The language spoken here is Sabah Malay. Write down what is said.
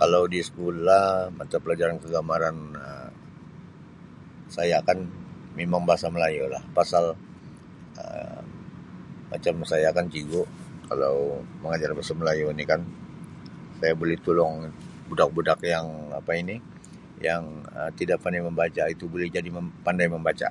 Kalau di sekolah mata pelajaran kegemaran Um saya kan memang Bahasa Melayu lah pasal Um macam saya kan cigu kalau mengajar Bahasa Melayu ni kan saya boleh tolong budak-budak yang apa ni, yang Um tidak pandai membaca itu boleh jadi pa-pandai membaca.